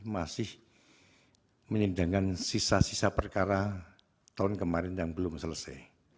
masih menyindangkan sisa sisa perkara tahun kemarin yang belum selesai